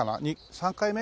３回目？